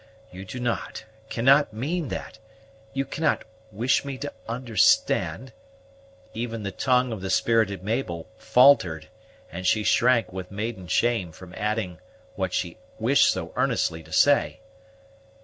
You do not, cannot mean that you cannot wish me to understand" even the tongue of the spirited Mabel faltered, and she shrank, with maiden shame, from adding what she wished so earnestly to say.